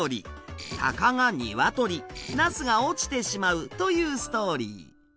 タカがにわとりなすが落ちてしまうというストーリー。